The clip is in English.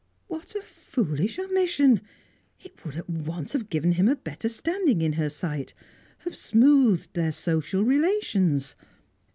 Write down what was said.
What a foolish omission! It would at once have given him a better standing in her sight, have smoothed their social relations.